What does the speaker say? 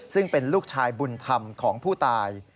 ซึ่งเป็นลูกชายบุญธรรมของผู้ตาย